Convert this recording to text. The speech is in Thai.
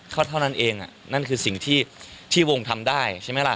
ก็เท่านั้นเองนั่นคือสิ่งที่วงทำได้ใช่ไหมล่ะ